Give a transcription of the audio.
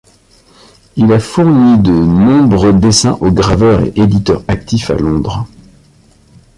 Il a fourni de nombreux dessins aux graveurs et éditeurs actifs à Londres.